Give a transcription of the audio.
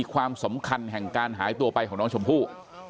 ความสำคัญแห่งการหายตัวไปของน้องชมพู่